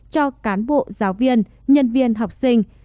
cho cán bộ giáo viên nhân viên học sinh